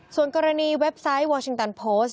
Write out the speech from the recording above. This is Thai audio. ส่วนกรณีเว็บไซต์วอร์ชิงตันโพสต์